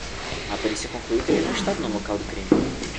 A perícia concluiu que ele não estava no local do crime